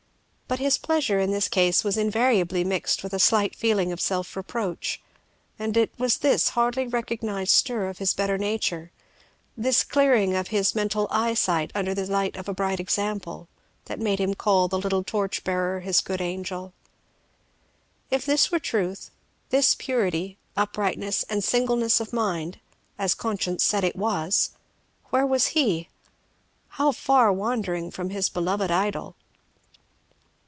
But his pleasure in this case was invariably mixed with a slight feeling of self reproach; and it was this hardly recognised stir of his better nature, this clearing of his mental eye sight under the light of a bright example, that made him call the little torch bearer his good angel. If this were truth, this purity, uprightness, and singleness of mind, as conscience said it was, where was he? how far wandering from his beloved Idol!